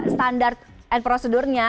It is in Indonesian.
standar dan prosedurnya